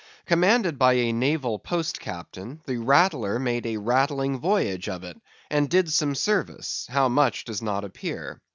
Commanded by a naval Post Captain, the Rattler made a rattling voyage of it, and did some service; how much does not appear.